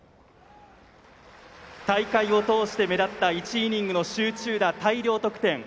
大会を通して目立った１イニングの集中打、大量得点。